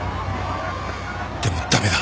でも駄目だ。